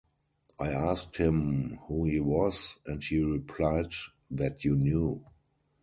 I asked him who he was and he replied that you knew.